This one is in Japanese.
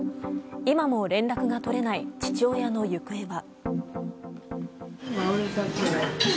今も連絡が取れない父親の行方は。